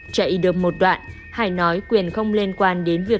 chạy được một đoạn hải nói quyền không liên quan đến việc